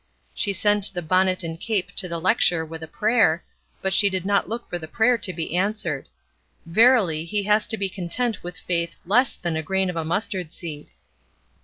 She sent the bonnet and cape to the lecture with a prayer, but she did not look for the prayer to be answered. Verily, He has to be content with faith "less than a grain of mustard seed."